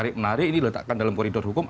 jadi letakkan dalam koridor hukum